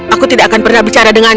aku tidak akan pernah bicara dengan